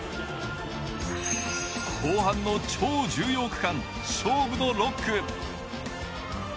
後半の超重要区間、勝負の６区。